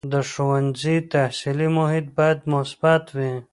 د ښوونځي تحصیلي محیط باید مثبت وي.